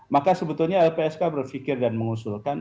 maka sebetulnya lpsk berpikir dan mengusulkan